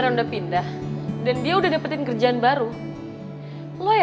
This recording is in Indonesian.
tapi kamu sekolah dulu